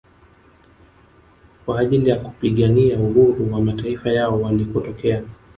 Kwa ajili ya kupigania uhuru wa mataifa yao walikotokea